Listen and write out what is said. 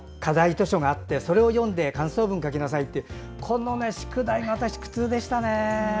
図書があってそれを読んで感想文を書きなさいってこの宿題が私、苦痛でしたね。